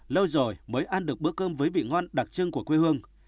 lâu rồi mới ăn được bữa cơm với vị ngon đặc trưng của quê hương